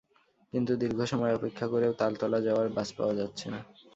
কিন্তু দীর্ঘ সময় অপেক্ষা করেও তালতলা যাওয়ার বাস পাওয়া যাচ্ছে না।